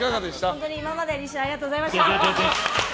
本当に今までニシダ、ありがとうございました。